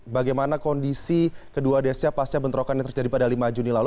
bagaimana kondisi kedua desya pasca bentrokan yang terjadi pada lima juni lalu